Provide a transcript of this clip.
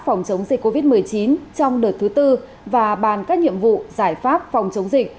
phòng chống dịch covid một mươi chín trong đợt thứ tư và bàn các nhiệm vụ giải pháp phòng chống dịch